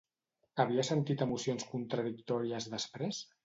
Havia sentit emocions contradictòries després?